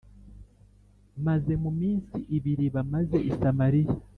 , maze mu minsi ibiri bamaze i Samariya,